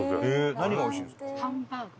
何がおいしいんですか？